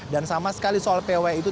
dan sama sekali soal paw itu